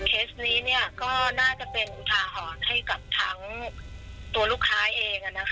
เคสนี้ก็น่าจะเป็นอุทาหรณ์ให้กับทั้งตัวลูกค้าเอง